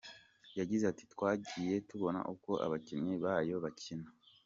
Yagize ati “Twagiye tubona uko abakinnyi bayo bakina.